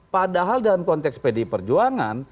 padahal dalam konteks pdi perjuangan